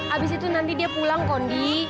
abis itu nanti dia pulang kondi